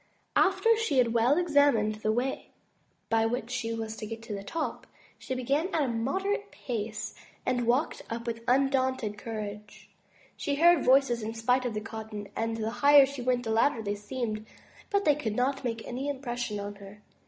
After she had well examined the way by which she was to get to the top, she began at a moderate pace and 69 MY BOOK HOUSE walked up with undaunted courage. She heard the voices in spite of the cotton, and the higher she went, the louder they seemed; but they could not make any impression on her.